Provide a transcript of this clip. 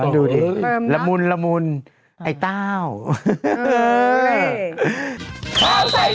ดูดิละมุนไอ้เต้า